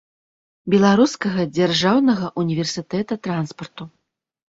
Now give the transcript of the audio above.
Беларускага дзяржаўнага універсітэта транспарту.